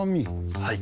はい。